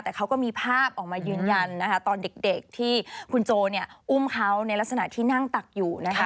แต่เขาก็มีภาพออกมายืนยันนะคะตอนเด็กที่คุณโจอุ้มเขาในลักษณะที่นั่งตักอยู่นะคะ